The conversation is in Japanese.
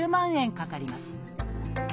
かかります。